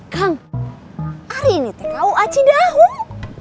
kang hari ini teh kau aci dahung